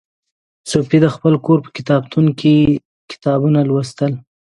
صوفي د خپل کور په کتابتون کې کتابونه لوستل.